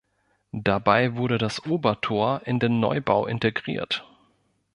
Dabei wurde das Obertor in den Neubau integriert.